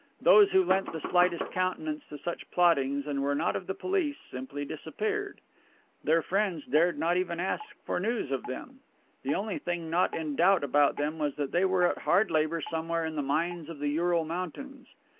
Those who lent the slightest countenance to such plottings and were not of the police simply disappeared. Their friends dared not even ask for news of them. The only thing not in doubt about them was that they were at hard labor somewhere in the mines of the Ural Mountains.